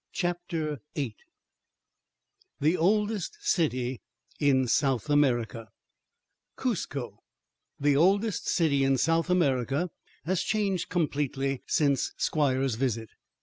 CHAPTER VIII The Oldest City in South America Cuzco, the oldest city in South America, has changed completely since Squier's visit.